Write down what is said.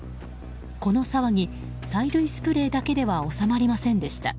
この騒ぎ、催涙スプレーだけでは収まりませんでした。